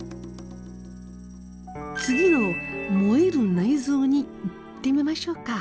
次の萌える内臓にいってみましょうか。